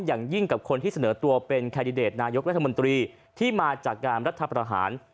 อย่างยิ่งกับคนที่เสนอตัวเป็นแคนดิเดตนายกรัฐมนตรีที่มาจากการรัฐประหาร